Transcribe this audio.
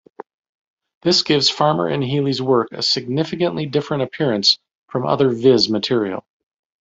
This gives Farmer and Healey's work a significantly different appearance from other "Viz" material.